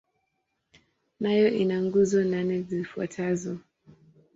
Nayo ina nguzo nane zifuatazo.